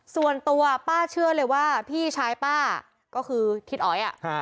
ส่วนตัวป้าเชื่อเลยว่าพี่ชายป้าก็คือทิศอ๋อย